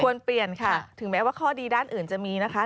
เปลี่ยนค่ะถึงแม้ว่าข้อดีด้านอื่นจะมีนะคะ